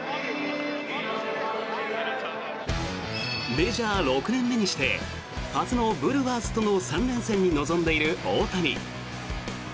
メジャー６年目にして初のブルワーズとの３連戦に臨んでいる大谷。